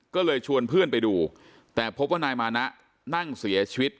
ก็เลยชวนเพื่อนไปดูแต่พบว่านายมานะนั่งเสียชีวิต